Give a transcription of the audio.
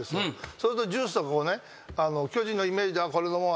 そうするとジュースとかこうね巨人のイメージでこれ飲もうあれ